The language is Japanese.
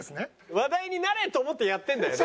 話題になれ！と思ってやってるんだよね？